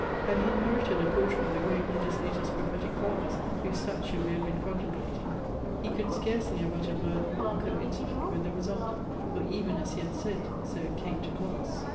Had he inherited a portion of the great legislator's prophetic powers, whose statue we had been contemplating, he could scarcely have uttered words more coincident with the result: for even as he had said, so it came to pass.